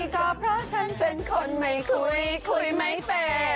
ก็เพราะฉันเป็นคนไม่คุยคุยไม่แฟร์